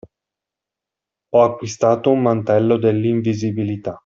Ho acquistato un mantello dell'invisibilità.